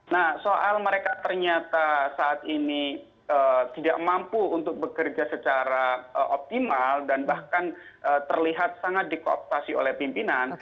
nah soal mereka ternyata saat ini tidak mampu untuk bekerja secara optimal dan bahkan terlihat sangat dikooptasi oleh pimpinan